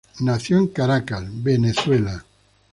Nació en Caracas, Venezuela.